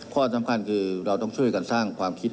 ข้อสำคัญคือเราต้องช่วยกันสร้างความคิด